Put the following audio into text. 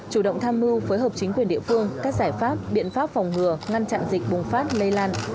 chủ động tham mưu phối hợp chính quyền địa phương các giải pháp biện pháp phòng ngừa ngăn chặn dịch bùng phát lây lan